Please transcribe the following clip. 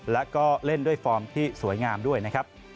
แล้วก็เล่นด้วยฟอร์มที่สวยงามด้วยนะครับ